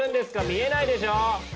見えないでしょ！